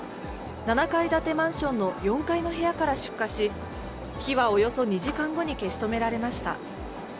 ７階建てマンションの４階の部屋から出火し、火はおよそ２時間後に消し止められました。